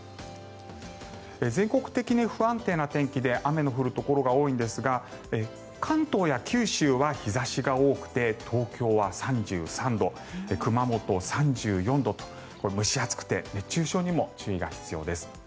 全国的に不安定な天気で雨の降るところが多いんですが関東や九州は日差しが多くて東京は３３度熊本３４度と蒸し暑くて熱中症にも注意が必要です。